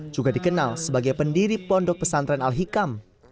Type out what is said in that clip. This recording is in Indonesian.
juga dikenal sebagai pendiri pondok pesantren al hikam